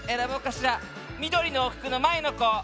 みどりのふくのまえのこ。